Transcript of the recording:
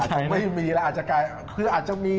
สงสัยไม่มีแล้วอาจจะมี